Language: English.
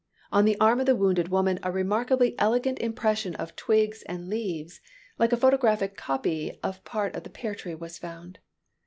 On the arm of the wounded woman a remarkably elegant impression of twigs and leaves, like a photographic copy of part of the pear tree, was found."